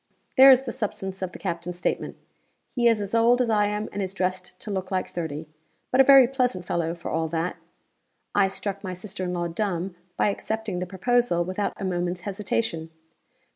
There is the substance of the captain's statement. He is as old as I am and is dressed to look like thirty; but a very pleasant fellow for all that. I struck my sister in law dumb by accepting the proposal without a moment's hesitation.